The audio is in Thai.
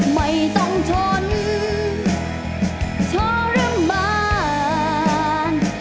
ไม่ต้องทนทรมาน